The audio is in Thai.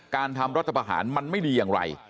การทำรัฐประหารมันไม่ดีอย่างไร